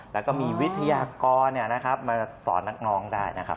แล้วก็มีวิทยากรมาสอนนักร้องได้นะครับ